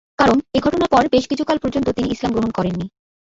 কারণ এ ঘটনার পর বেশ কিছুকাল পর্যন্ত তিনি ইসলাম গ্রহণ করেননি।